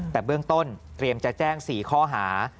แต่เบื้องต้นเตรียมจะแจ้ง๔ข้อหา